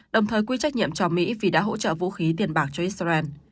đồng thời quy trách nhiệm cho mỹ vì đã hỗ trợ vũ khí tiền bạc cho israel